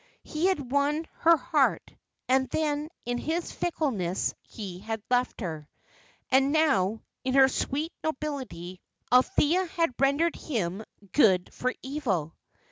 He had won her heart, and then in his fickleness he had left her; and now, in her sweet nobility, Althea had rendered him good for evil.